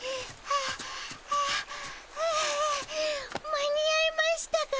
間に合いましたか？